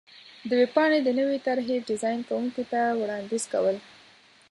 -د ویبپاڼې د نوې طر حې ډېزان کوونکي ته وړاندیز کو ل